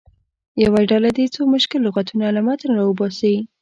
یوه ډله دې څو مشکل لغتونه له متن راوباسي.